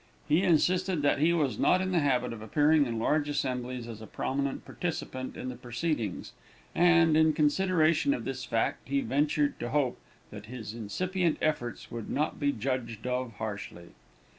He insisted that he was not in the habit of appearing in large assemblies as a prominent participant in the proceedings, and, in consideration of this fact, he ventured to hope that his incipient efforts would not be judged of harshly.